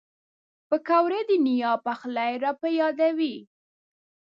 پکورې د نیا پخلی را په یادوي